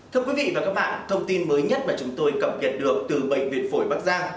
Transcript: thưa quý vị và các bạn thông tin mới nhất mà chúng tôi cập nhật được từ bệnh viện phổi bắc giang